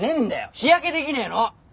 日焼けできねえの！